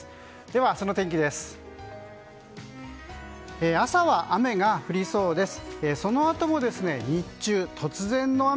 では、明日の天気です。